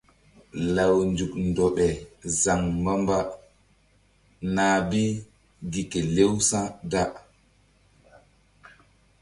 Law nzuk ndoɓe zaŋ mbamba nah bi gi kelew sa̧ da.